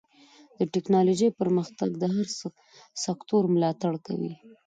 د ټکنالوجۍ پرمختګ د هر سکتور ملاتړ کوي.